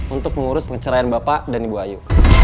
untuk mengurus penceraian bapak dan ibu ayu